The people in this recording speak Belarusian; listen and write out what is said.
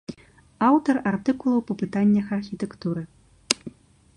Аўтар артыкулаў па пытаннях архітэктуры.